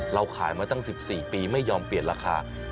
เราขายมาตั้ง๑๔ปีไม่ยอมเปลี่ยนราคา